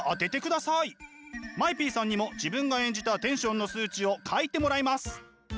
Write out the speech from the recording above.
ＭＡＥＰさんにも自分が演じたテンションの数値を書いてもらいます。